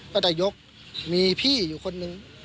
ก็จะยกมีพี่คนหนึ่ง